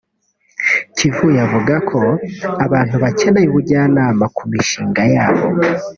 Kivuye avuga ko abantu bakeneye ubujyanama ku mishinga yabo